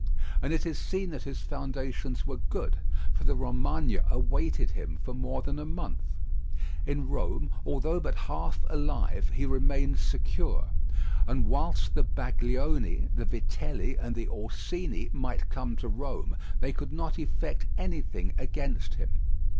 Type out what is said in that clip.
And it is seen that his foundations were good, for the Romagna awaited him for more than a month. In Rome, although but half alive, he remained secure; and whilst the Baglioni, the Vitelli, and the Orsini might come to Rome, they could not effect anything against him.